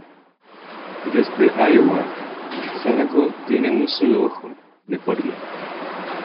Desde Iowa, Sadako tiene un solo ojo, deforme.